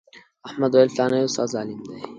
احمد ویل فلانی استاد ظالم دی.